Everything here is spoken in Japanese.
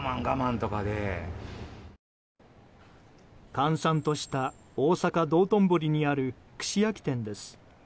閑散とした大阪・道頓堀にある串焼き店です。